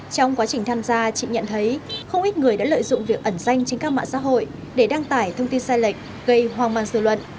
trong quá trình tham gia chị nhận thấy không ít người đã lợi dụng việc ẩn danh trên các mạng xã hội để đăng tải thông tin sai lệch gây hoang mang sự luận